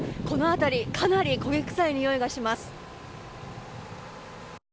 この辺り、かなり焦げ臭いにおいがします。